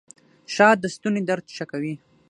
شات د ستوني درد ښه کوي